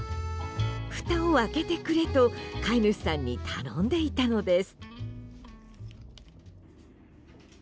ふたを開けてくれと飼い主さんに頼んでいたのです。